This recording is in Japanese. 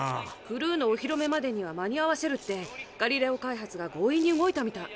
クルーのおひろめまでには間に合わせるってガリレオ開発が強引に動いたみたい。